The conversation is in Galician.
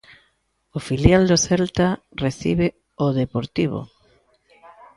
O filial do Celta recibe o Deportivo.